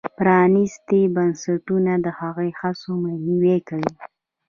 پرانیستي بنسټونه د هغو هڅو مخنیوی کوي.